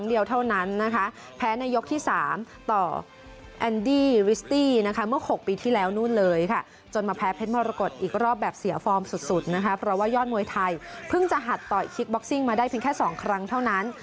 อีกรอบแบบเสียฟอร์มสุดนะครับเพราะว่ายอดมวยไทยเพิ่งจะหัดต่อยคิกบ็อกซิ่งมาได้เพียงแค่๒ครั้งเท่านั้น